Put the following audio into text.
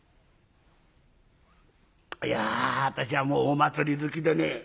「いや私はもうお祭り好きでね。